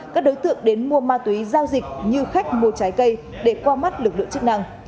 các đối tượng đến mua ma túy giao dịch như khách mua trái cây để qua mắt lực lượng chức năng